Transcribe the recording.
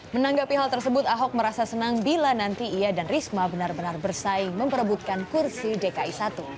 menanggapi hal tersebut ahok merasa senang bila nanti ia dan risma benar benar bersaing memperebutkan kursi dki satu